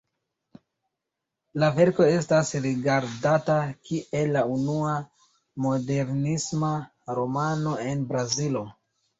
La verko estas rigardata kiel la unua "modernisma" romano en Brazilo.